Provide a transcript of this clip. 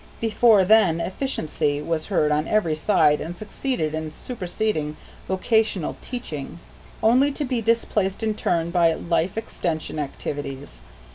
Before then "efficiency" was heard on every side and succeeded in superseding "vocational teaching," only to be displaced in turn by "life extension" activities.